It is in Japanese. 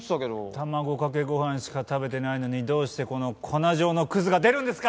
卵かけご飯しか食べてないのにどうしてこの粉状のクズが出るんですか？